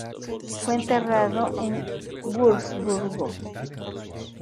Fue enterrado en Wurzburgo.